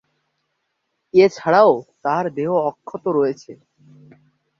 এ ছাড়াও তার দেহ অক্ষত রয়েছে।